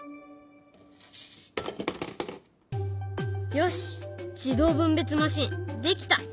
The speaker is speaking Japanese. よし自動分別マシンできた！